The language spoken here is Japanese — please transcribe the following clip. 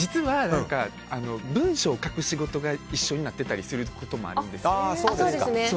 実は、文章を書く仕事が一緒になってたこともあるんですよ。